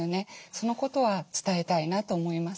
そのことは伝えたいなと思います。